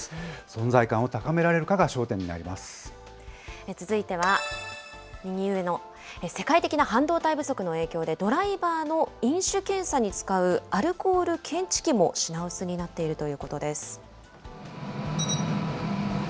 存在感を高められるかが焦点にな続いては、右上の、世界的な半導体不足の影響で、ドライバーの飲酒検査に使うアルコール検知器も品薄になっているということです。